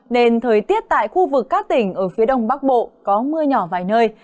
nên thời tiết tại khu vực các tỉnh ở phía đông bắc bộ có mưa nhỏ vài nơi